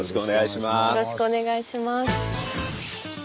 よろしくお願いします。